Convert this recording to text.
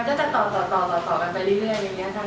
มันก็จะต่อไปเรื่อย